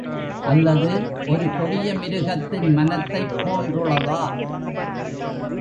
அல்லது ஒரு கொடிய மிருகத்தின் மனத்தைப் போன்றுளதா?